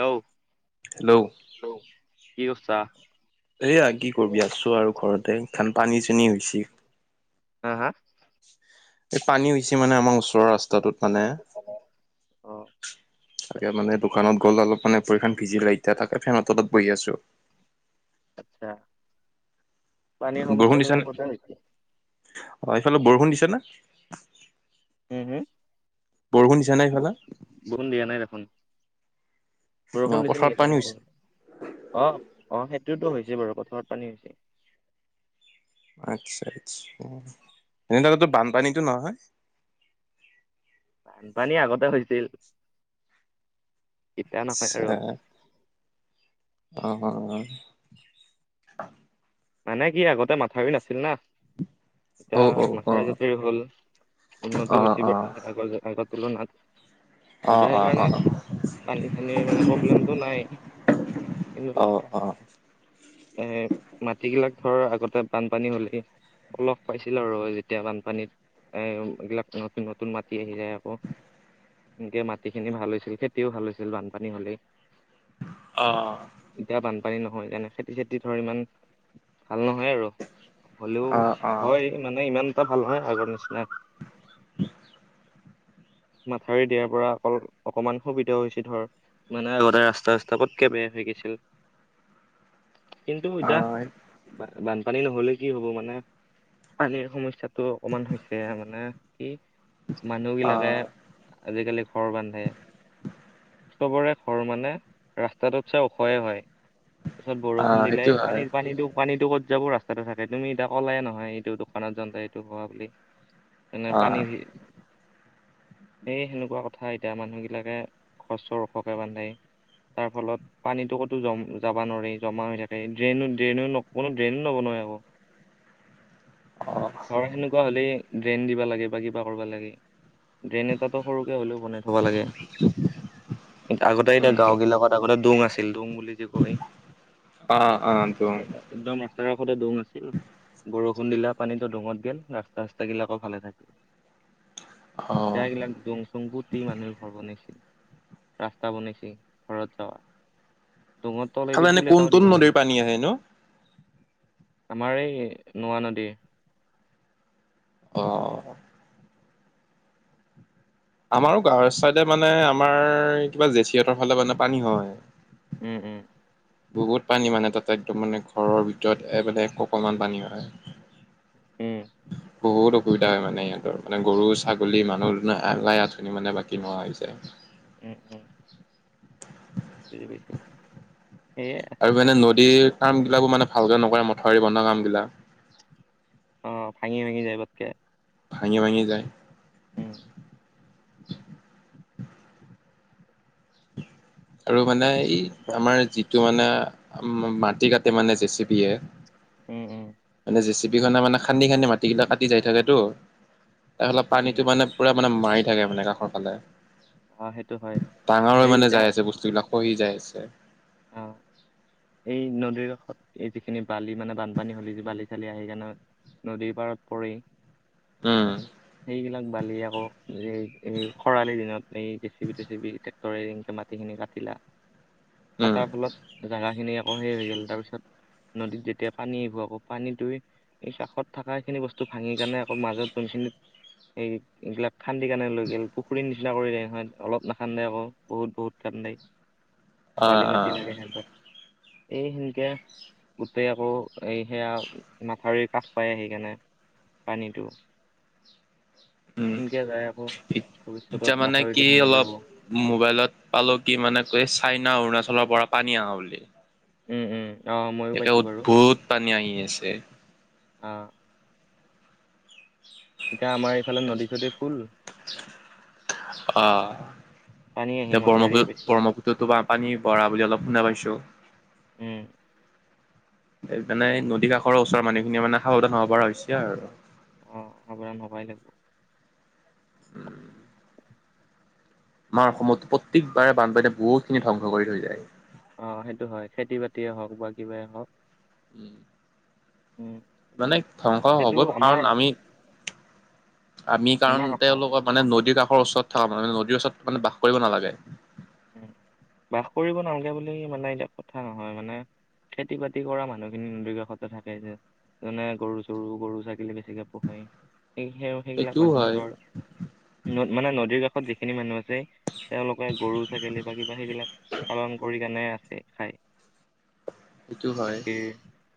Hello hello hello কি কৰিছা? এইয়া কি কৰিবি আছোঁ আৰু ঘৰতে বানপানী চানী হৈছি। হা হা? এই পানী হৈছি মানে আমাৰ ওচৰৰ ৰাস্তাটোত মানে। অ আচ্ছা তাকে মানে দোকানত গ'ল অলপ মানে ভৰিখন ভিজিলে এতিয়া তাকে ফেনৰ তলত বহি আছোঁ। আচ্ছা, পানীৰ সমস্যাটো হয়, সেইফালো বৰষুণ দিছে না? উম হুম? বৰষুণ দিচা নাই সেই ফালে? বৰষুণ দিয়া নাই দেখোন। অ বৰষুণ দিছে পথাৰত নেকি? পানী হৈছে। অ অ সেইটোতো হৈছে বাৰু পথাৰত পানী হৈছে। আচ্ছা আচ্ছা, এনেত'কতো বানপানীতটো নহয়? বানপানী আগতে হৈছিল। এতিয়া নহয় আৰু অঁ হ হ। মানে কি আগতে মাথাউৰি নাছিল না। অ অ এতিয়া অ মাথাউৰি ঝাথাউৰি হ'ল। অ অ অ উন্নত হৈছি বাৰু আগৰ আগৰ তুলনাত। অ অ এতিয়া অ অ সেইকাৰণে, পানী চানি মানে প্ৰব্লেমতটো নাই। কিন্তু অ অ। এ মাটিবিলাক ধৰ আগতে বানপানী হ'লেই অলপ পাইছিলো আৰু যেতিয়া বানপানীত। এ এইবিলাক নতুন নতুন মাটি আহি যায় আকৌ। এনেকে মাটি খিনি ভাল হৈছিল, খেতিও ভাল হৈছিল, বানপানী হলেই। অঁ। এতিয়া বানপানী নহয় যোনে, খেতি-চেতি ধৰ ইমান ভাল নহয় আৰু হ'লেও অ হয় মানে ইমান এটা ভাল নহয় আগৰ নিচিনা। [unintelligible] মাথাউৰি দিয়াৰ পৰা অকল অকমান সুবিধাও হৈছে ধৰ, মানে আগতে ৰাস্তা চাস্তা পতকে বেয়া হৈ গৈছিল। কিন্তু অ এতিয়া বানপানী নহলে কি হব মানে পানীৰ সমস্যাটো অকমান হৈছে মানে, কি মানুহ অ বিলাকে আজিকালি ঘৰ বান্ধে, চবৰে খৰ মানে ৰাস্তাটোত চাই ওখয়ে হয়। তাৰপিছত অ বৰষুণ দিলে, সেইটো হয় পানীৰ পানী দো পানীটো কত যাব ৰাস্তাতে থাকে, তুমি এতিয়া ক'লাই নহয়। এইটো দোকানত যা এইটো হোৱা বুলি। মানে অ পানী ভিৰ সেই সেনেকুৱা কথা এতিয়া মানুহবিলাকে ঘৰ চৰ ওখকে বান্ধে, তাৰ ফলত পানীটো ক'তো জম যাবা নোৱাৰি, জমা হৈ থাকে, ড্ৰেইনো ড্ৰেইনো ন কোনো ড্ৰেইনো ল'ব নোৱাৰে আকৌ। অ ধৰা সেনেকুৱা হলেই ড্ৰেইন দিবা লাগে বা কিবা কৰিবা লাগে। ড্ৰেইন এতাতো সৰুকে হ'লেও বনাই থ'ব লাগে। আগতে এতিয়া উম গাওঁ গিলাকত আগতে দোং আছিল, দোং বুলি যে কয়। অ, অ দোং। একদম ৰাস্তাৰ কাষতে দোং আছিল, বৰষুণ দিলা পানীতো ডোঙত গেল, ৰাস্তা চাস্ত গিলাকো ভালে থাকিল। অ', এতিয়া এগিলাক দোং- চোং পুতি মানুহে ঘৰ বনাইছিল। ৰাস্তা বনাইছি ঘৰত যাৱা, দোঙত খালো এনে কোন কোন নদীৰ পানী আহে নো? আমাৰ এই নোৱা নদীৰ। অ আমাৰো গাঁৱৰ ছাইডে মানে, আমাৰ কিবা জেঠিহঁতৰ ফালে মানে পানী হয়। উম উম। বহুত পানী মানে, তাতে একদম মানে ঘৰৰ ভিতৰত এই মানে এককালমান পানী হয়। উম। বহুত অসুবিধা হয় মানে ইহঁতৰ। মানে গৰু-ছাগলী, মানুহ-দোনো আলাই আঁঠানি মানে বাকী নোহোৱা হৈ জায়। উম উম। বুজি পাইছো। সেয়ে আৰু মানে নদীৰ কামবিলাকো মানে ভালকৈ নকৰে, মথাউৰি বন্ধোৱা কামবিলাক। অ ভাঙি ভাঙি যায় পতকে। ভাঙি ভাঙি যায়। উম আৰু মানে ই বা- আমাৰ যিটো মানে মাটি কাটে মানে জেচিপিয়ে। উম উম। মানে জেচিপি খনে মানে খান্দি খান্দি মাটিগিলাক কাটি যায় থাকেতো। তাৰ ফলত উম পানীটো মানে পুৰা মানে মাৰি থাকে মানে, কাষৰ ফালে। অ সেইটো হয়। এই এতিয়া যিবিলাক সহি যাই আছে। অ এই নদীৰ কাষত এই যিখিনি বালি মানে বানপানী হ'লে যে বালি-চালি আহে সেইকাৰণে নদীৰ পাৰত পৰি। উম। সেইগিলাক বালি আকৌ এই এই খৰালি দিনত এই জেচিপি টেচিপি। তৰে এনেকে মাটিখিনি কাটিলা উম, কাটাৰ ফলত জাগা। খিনি আকৌ সেই হৈ গ'ল তাৰ পিছত নদীত যেতিয়া পানী আহিব আকৌ পানীটোৱে। এই কাষত থাকা সেইখিনি বস্তু ভাঙি কিনে আকৌ মাজত যোনখিনিত সেই এইগিলাক খান্দি কাৰণে লৈ গ'ল পুখুৰীৰ নিচিনা কৰিলে নহয় অলপ নাখান্দে আক। বহুত বহুত খান্দাই অ', বালিমাটি অ', লাগে হেতক। এই সেনকে গোটেই আকৌ এই সেয়া মাথাউৰি কাষ পাই সেইকাৰণে। পানীটো। উম। সেনকে যাই আকৌ এতিয়া ভৱিষ্যতত মানে কি মাথাউৰিটো ভাঙি অলপ যাব। মোবাইলত পালো কি মানে এই চাইনা অৰুণাচলৰ পৰা পানী আহা বুলি। উম উম। অ ময়ো একে পাইছো বাৰু উদভুত পানী আহি আছে। হা এতিয়া আমাৰ এইফালে নদী চদী ফুল। অহ পানী আহি এতিয়া মাথাউৰিয়ে ব্ৰহ্মপুত বেছি ব্ৰহ্মপুত্ৰতো পৰা পানী বৰা বুলি অলপ শুনা পাইছো উম মানে নদী কাষৰ ওচৰ মানুহখিনিয়ে মানে সাৱধান হ'ব পৰা হৈছে আৰু অ সাৱধান হবাই লাগিব উম আমাৰ অসমতো প্ৰত্যেকবাৰে বানপানীয়ে বহুত খিনি ধ্বংস কৰি থৈ যায়। অ সেইটো হয় খেতি বাতিয়ে হওঁক বা কিবাই হওঁক। উম। উম। মানে ধ্বংস সেইটো হ'বই আমাৰ কাৰণ আমি। আমি আমাৰ কাৰণ অসম তেওঁলোকৰ মানে নদীৰ কাষৰ ওচৰত থাকা মানুহ মানে নদীৰ ওচৰত মানে বাস কৰিব নালাগে। উম বাস কৰিব নালাগে বুলি মানে এতিয়া কথা নহয় মানে। খেতি বাতি কৰা মানুহখিনি নদীৰ কাষতে থাকে যে যেনে গৰু-চৰু, গৰু, ছাগলী বেছিকে। পোহেই সেই সেইগিলাক সেইটোও মানুহৰ হয়। ধৰ। ন মানে নদীৰ কাষত যিখিনি মানুহ আছে তেওঁলোকে গৰু। ছাগলী বা কিবা সেইবিলাক পালন কৰি কানে আছে খাই সেইটো হয় গাখীৰ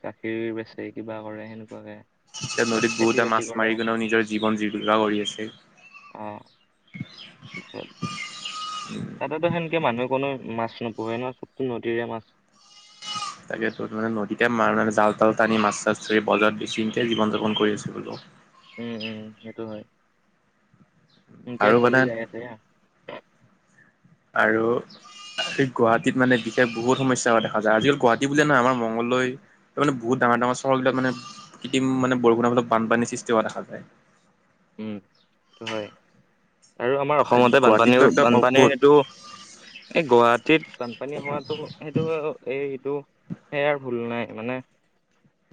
গাখীৰ বেছে কিবা কৰে সেনেকুৱাকে এতিয়া তাৰপিছত নদীত খেতি বহুতে মাছ বাতি কৰে মাৰি কিনেও নিজৰ জীৱন জীৱিকা কৰি আছে। অ [unintelligible] তাতেতো সেনেকে মানুহে কোনো মাছ নোপোহে ন চবতো নদীৰে মাছ তাকে টো মানে নদীতে মানে জাল তাল টানি মাছ চাছ ধৰি বজাৰত বেছি এনকে জীৱন যাপন কৰি আছে বোলো। উম উম সেইটো হয় হেনকে আৰু চলি মানে যায় আছে হা আৰু সি গুৱাহাটীত মানে বিশেষ বহুত সমস্যা হোৱা দেখা যায় আজিকাল গুৱাহাটীতে বুলি নহয় আমাৰ মংগলদৈ মানে বহুত ডাঙৰ ডাঙৰ চহৰ বিলাক মানে কৃত্ৰিম মানে বৰষুণৰ ফলত বানপানী সৃষ্টি হোৱা দেখা যায়। উম উ উ এইটো হয় আৰু আমাৰ অসমতে গুৱাহাটীততো বানপানীৰ একদম অদ্ভুত বানপানীৰ এইটো এই গুৱাহাটীত বানপানী হোৱাতটো সেইটো এইটো সেই আৰু ভুল নাই মানে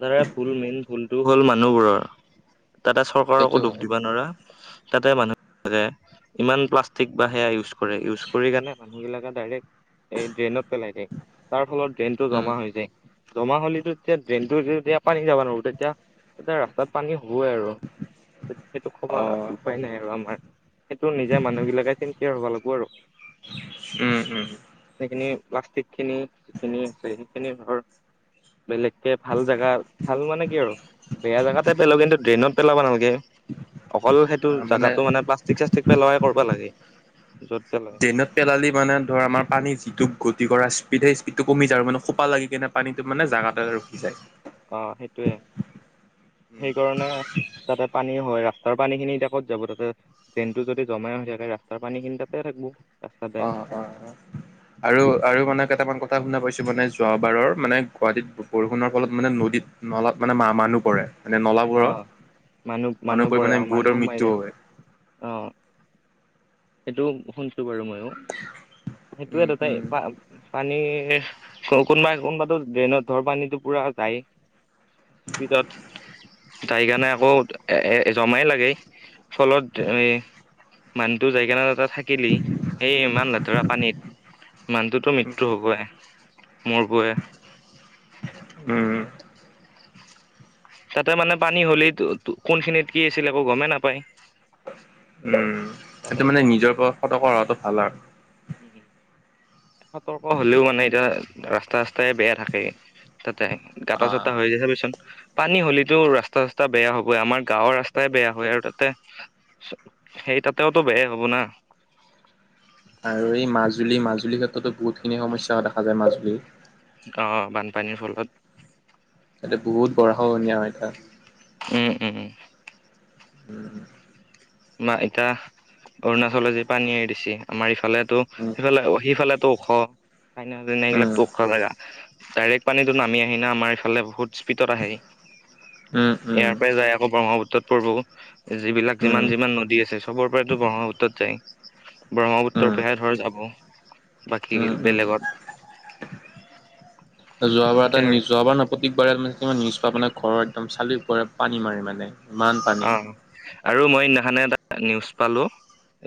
ধাৰা ভুল মেইন ভুলটো হ'ল মানুহবোৰৰ তাতে চৰকাৰৰ সেইটো একো দুখ হয় দিবা তাতে মানুহ বিলাকে ইমান প্লাষ্টিক বা সেয়া ইউজ কৰে ইউজ কৰি কাৰনে মানুহবিলাকে ডাইৰেক্ট এই ড্ৰেইনত পেলাই দিয়ে তাৰ ফলত ড্ৰেইনটো উম। জমা হৈ যায়। জমা হ'লেতো এতিয়া ড্ৰেইনতো এতিয়া পানী যাব নোৱাৰো তেতিয়া তেতিয়া ৰাস্তাত পানী হবৈ আৰু সেইটো সবা অ', উপায় নাই আৰু আমাৰ সেইটো নিজে মানুহ বিলাকে চিন্তা হব লাগব আৰু চে চিচু চিচু উম উম উ সেইখিনি প্লাষ্টিক খিনি যিখিনি আছে সেইখিনি ধৰ বেলেগকে ভাল জেগা ভাল মানে কি আৰু বেয়া জেগাতে পেলো কিন্তু ড্ৰেইনত পেলাবা নালাগে। অকল সেইটো জাগাটো মানে প্লাষ্টিক-চাষ্টিক পেলাই কৰবা লাগে য'ত পেলাই। ড্ৰেইনত পেলালি মানে ধৰ আমাৰ পানী যিটো গতি কৰা স্পীড সেই স্পীডটো কমি যায় মানে খোপা লাগি কিনে পানীটো মানে জাগাতে ৰখি যায়। অ সেইটোৱে উম। সেইকাৰণে তাতে পানী হয় ৰাস্তাৰ পানী খিনি এতিয়া ক'ত যাব তাতে ড্ৰেনটো যদি জমাই হৈ থাকে ৰাস্তাৰ পানী খিনি তাতে থাকব। অঁ অ, অ অ অ। [inaudible] আৰু আৰু মানে কেইটামান কথা শুনা পাইছোঁ মানে যোৱাবাৰৰ মানে গুৱাহাটীত বৰষুণৰ ফলত মানে নদীত নলাত মানে মা মানুহ পৰে মানে অ নলাবোৰত মানুহ পৰি মানে বহুতৰ মৃত্যু হয়। অঁ অ। সেইটোও শুনিছো বাৰু মইয়ো সেইটোৱে উম, দুটাইয়ে উম, পা পানী এ এ এ এ কোনোবাই কোনোবাতো ড্ৰেইনত ধৰ পানীটো পুৰা যাইয়ে। স্পীডত চি আ আ ই ই। যাইকেনে আকৌ এ এ এ জমাই লাগে ই আহ ফলত ঢেউ এ তু যাই কিনে ন তাত থাকিলেই সেই ইমান লেতেৰা পানীত মানুহটোতো উম, মৃত্যু হ'বই। মৰব এ। উম উ উ। তাতে মানে পানী হ'লেই তো তো কোন খিনিত কি আছিলে আকৌ গমেই নাপায়। উম উ উ উ তাতে সেইটো মানে এতিয়া নিজৰ পৰা সতৰ্ক হোৱাটো ভাল আৰু উম হু। সতৰ্ক হলেও মানে এতিয়া ৰাস্তাই-ৰাস্তাই বেয়া থাকে তাতে। অ', গাঁটা-চাটা হৈ যায় চাবি চোন আ আ। পানী হ'লেতো ৰাস্তা-চাস্তা বেয়া হবই আমাৰ গাঁৱৰ ৰাস্তাই বেয়া হয় আৰু তাতে ই আহ্। সতি সেই তাতেও তো বেয়াই হব না। আৰু এই মাজুলী মাজুলীৰ ক্ষেত্ৰতো বহুতখিনি সমস্যা হোৱা দেখা যায় মাজুলীৰ। গাঁৱৰ বানপানীৰ ফলত। তাতে বহুত গৰা খহনীয়া হয় তাত। উম উম উম। উম হুম। মাৰ্ঘেৰিটা অৰুণাচলে যে পানী এৰি দিছে আমাৰ ইফালে ত উম সেইফালে সেইফালতো ওখ হয়না উম এইগিলাকো ওখ জাগা ডাইৰেক পানীটো নামি আহি আমাৰ এফালে বহু স্পীডত আহে উম ইয়াৰ পৰাই যায় আকৌ ব্ৰহ্মপুত্ৰত পৰব। যিবিলাক যিমান উম যিমান নদী আছে চবৰ পৰাইতো ব্ৰহ্মপুত্ৰত যায়। উম ব্ৰহ্মপুত্ৰৰ উম পৰাহে ধৰ যাব। বাকী উম উম বেলেগত উ যোৱাবাৰ এটা এনেকে আৰু নিও যোৱাবাৰ না। প্ৰতিবাৰে মানে মান নিচ পৰা মানে ঘৰৰ একদম চালিৰ ওপৰে পানী মাৰি মানে। ইমান পানী অঁ আৰু মই সিদিনাখনেই এটা নিউজ পালো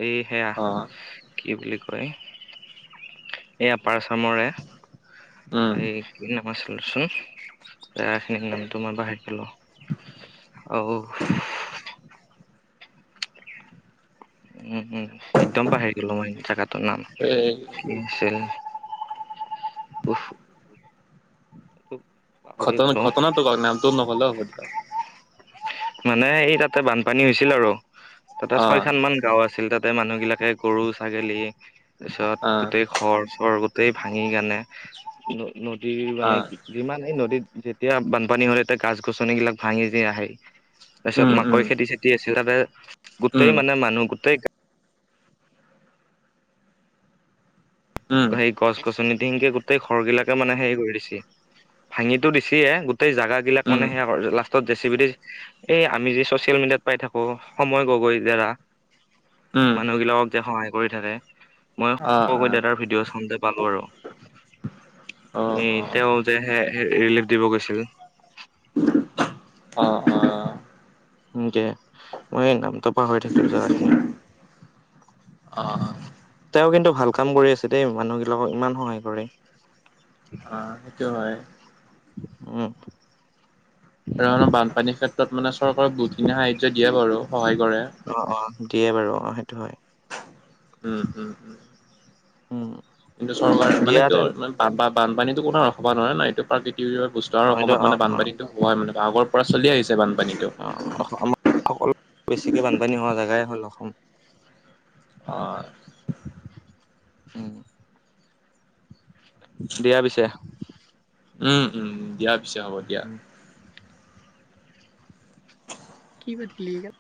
এই সেয়া- অ কি বুলি কয় এই আপাৰ আচামৰে, উম এই- কি নাম আছিল চোন সেই খিনিৰ নামটো মই পাহৰি গলো অ ও। উম উম একদম পাহৰি গলো মই জাগটোৰ নাম এ কি আছিল? উফ [unintelligible] ঘটনা গলো ঘটনাটো কওক নামটো নকলেও হ'ব দিয়ক। মানে এই তাতে বানপানী হৈছিল আৰু তাতে অ ছয় খান মান গাওঁ আছিল তাত। তাতে মানুহ বিলাকে গৰু ছাগলী তাৰ পিছত অ গোটেই- ঘৰ চৰ গোতেই ভাঙি কানে ন নদীৰ অ মানে- যিমানেই নদীত যেতিয়া বানপানী হলে তেতিয়া গছ গছনিবিলাক ভাঙি যে আহে। তাৰপিছত উম উম মাকৈ খেতি চেতি আছিল তাতে, উম গোটেই মানে মানুহ গোটেই- উম সেই গছ গছনি ধিঙ গোটেই ঘৰ গিলাকে মানে হেৰি কৰি দিছে, ভাঙিত দিছেই গোটে- গোটেই জাগা বিলাক উম মানে সেয়া লাষ্টত- দে চি বি এই আমি যি চচিয়েল মিডিয়াত পাই থাকো সময় গগৈ দ্বাৰা- উম মানুহবিলাকক যে সহায় কৰি থাকে মইয়ো অ অ সময় দাদাৰ ভি- ভিডিঅ' চাওঁতে পালো আৰু। অ অ এ তেওঁ যে সেই ৰিলিফ দিব গৈছিল। অহঁ অহঁ। এনেকে মই নামটো পাহৰি থাকিলো জেগাখিনি। অঁ তেওঁ কিন্তু ভাল কাম কৰি আছে দেই, মানুহ বিলাকক ইমান সহায় কৰে। অঁ সেইটো হয়। উম। আৰু ধৰণৰ বানপানীৰ ক্ষেত্ৰত মানে চৰকাৰে বহুতখিনি সাহায্য দিয়ে বাৰু সহায় কৰে। অঁ অঁ দিয়ে বাৰু অ সেইটো হয়। উম উম উম। উম কিন্তু চৰকাৰে মানে এইটো দিয়াহেতেন বানপানীতো কোনো ৰাখবা নোৱাৰে না এইটো প্ৰাকৃতিক বস্তু- অ আৰু এইটো অসমত অ মানে অ বানপানীতো হয় মানে আগৰ পৰা চলি আহিছে, বান- অঁ আমাৰ অকল বেছিকে বানপানী হোৱা জেগাই হ'ল অসম। অঁ উম দিয়া পিছে। উম উম দিয়া পিছে হ'ব দিয়া। [unintelligible] কি কোটলি এইগাল।